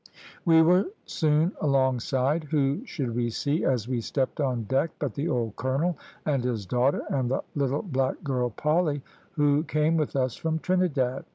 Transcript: We were soon alongside. Who should we see as we stepped on deck but the old colonel and his daughter, and the little black girl Polly, who came with us from Trinidad.